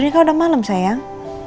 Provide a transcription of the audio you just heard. ini kan udah malem sayang